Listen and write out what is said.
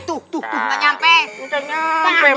tidak sampai suara perkelahian